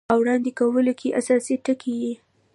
او وړاندې کولو چې اساسي ټکي یې